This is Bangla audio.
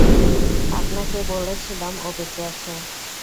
আপনাকে বলেছিলাম, ও বেঁচে আছে!